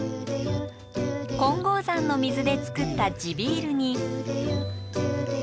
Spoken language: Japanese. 金剛山の水でつくった地ビールに。